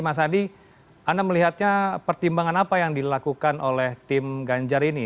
mas adi anda melihatnya pertimbangan apa yang dilakukan oleh tim ganjar ini